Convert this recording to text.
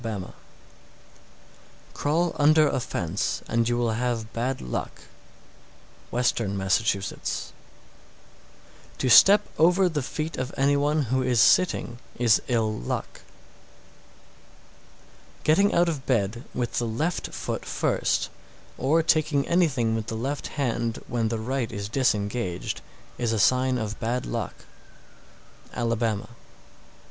_ 683. Crawl under a fence, and you will have bad luck. Western Masssachusetts.[TN 5] 684. To step over the feet of any one who is sitting is ill luck. 685. Getting out of bed with the left foot first, or taking anything with the left hand when the right is disengaged, is a sign of bad luck. _Alabama.